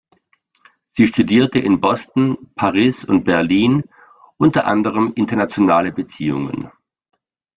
Sie studierte in Boston, Paris und Berlin, unter anderem Internationale Beziehungen.